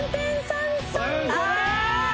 あ！